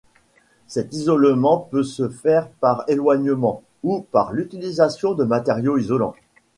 Cet isolement peut se faire par éloignement, ou par l'utilisation de matériaux isolants.